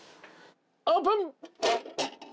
オープン。